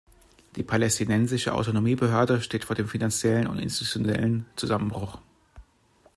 Die Palästinensische Autonomiebehörde steht vor dem finanziellen und institutionellen Zusammenbruch.